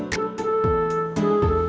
sampai jumpa lagi